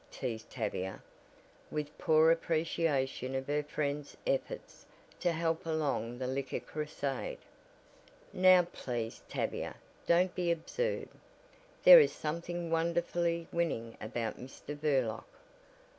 teased Tavia, with poor appreciation of her friend's efforts to help along the Liquor Crusade. "Now please, Tavia, don't be absurd. There is something wonderfully winning about Mr. Burlock."